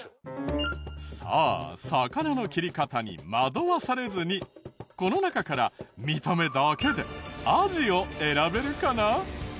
さあ魚の切り方に惑わされずにこの中から見た目だけでアジを選べるかな？